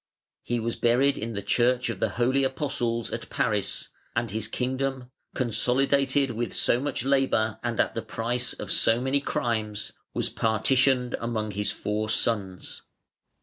He was buried (511) in the Church of the Holy Apostles at Paris, and his kingdom, consolidated with so much labor and at the price of so many crimes, was partitioned among his four sons.